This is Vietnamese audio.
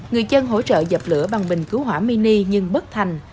người dân hỗ trợ dập lửa bằng bình cứu hỏa mini nhưng bất thành